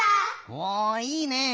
おいいねえ。